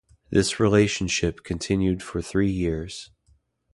This relationship continued for three years.